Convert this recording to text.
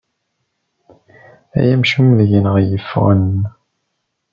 Ay amcum deg-neɣ yeffɣen.